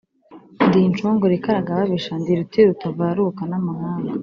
ndi inshongore ikaraga ababisha, ndi ruti rutavaruka n'amahanga.